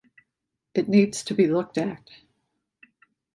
It needs to be looked at.